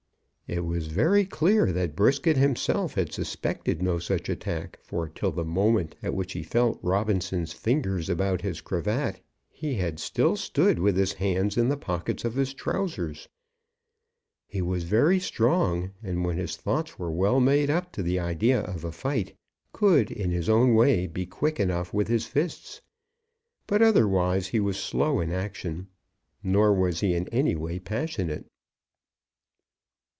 It was very clear that Brisket himself had suspected no such attack, for till the moment at which he felt Robinson's fingers about his cravat, he had still stood with his hands in the pockets of his trousers. He was very strong, and when his thoughts were well made up to the idea of a fight, could in his own way be quick enough with his fists; but otherwise he was slow in action, nor was he in any way passionate.